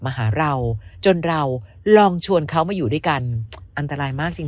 มาหาเราจนเราลองชวนเขามาอยู่ด้วยกันอันตรายมากจริง